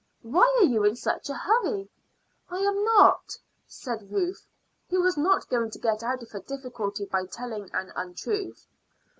Why are you in such a hurry?" "I am not," said Ruth, who was not going to get out of her difficulty by telling an untruth.